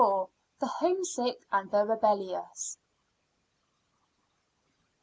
THE HOME SICK AND THE REBELLIOUS.